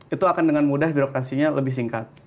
itu akan dengan mudah birokrasinya lebih singkat